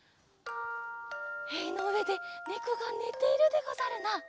へいのうえでねこがねているでござるな。